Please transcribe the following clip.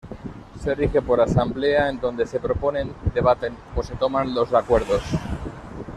Se rige por asamblea en donde se proponen, debaten o se toman los acuerdos.